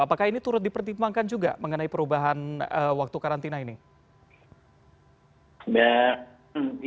apakah ini turut dipertimbangkan juga mengenai perubahan waktu karantina ini